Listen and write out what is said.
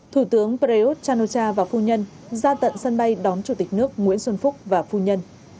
thủ tướng prayuth chan o cha và phu nhân ra tận sân bay đón chủ tịch nước nguyễn xuân phúc và phu nhân